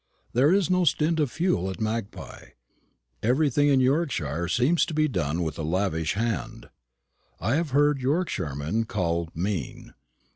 There is no stint of fuel at the Magpie. Everything in Yorkshire seems to be done with a lavish hand. I have heard Yorkshiremen called mean.